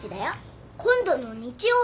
今度の日曜日。